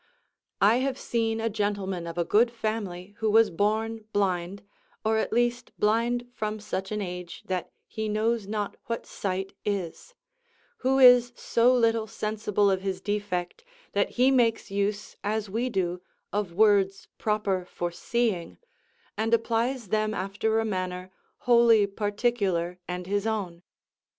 I have seen a gentleman of a good family who was born blind, or at least blind from such an age that he knows not what sight is; who is so little sensible of his defect that he makes use as we do of words proper for seeing, and applies them after a manner wholly particular and his own.